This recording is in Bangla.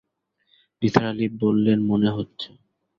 নিসার আলি বললেন, মনে হচ্ছে।